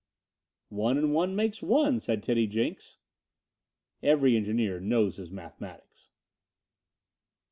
"One and one makes one," said Teddy Jenks. Every engineer knows his mathematics.